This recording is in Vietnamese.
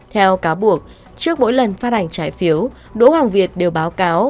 theo cáo buộc trước mỗi lần phát hành trái phiếu đỗ hoàng việt đều báo cáo